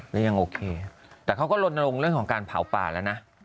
แล้วยังโอเคแต่เขาก็ลนลงเรื่องของการเผาป่าแล้วนะ